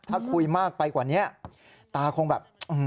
ถ้าคุยมากไปกว่านี้ตาคงแบบ